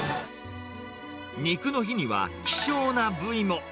肉の日には、希少な部位も。